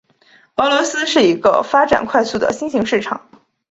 俄罗斯是一个发展快速的新型市场。